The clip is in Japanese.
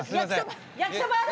焼きそばある？